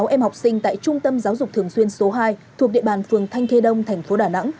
sáu em học sinh tại trung tâm giáo dục thường xuyên số hai thuộc địa bàn phường thanh khê đông thành phố đà nẵng